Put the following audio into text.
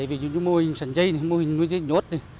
ví dụ như mô hình sản dây mô hình nuôi dây nhốt